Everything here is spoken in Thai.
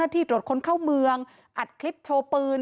โดดคนเข้าเมืองอัดคลิปโชว์ปืน